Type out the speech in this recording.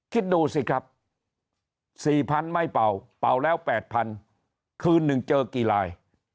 คิดดูสิครับ๔๐๐๐ไม่เป่าเป่าแล้ว๘๐๐คืนหนึ่งเจอกี่ลาย